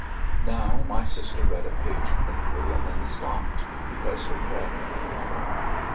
Now my sister read a page quickly and then stopped, because her breath failed her.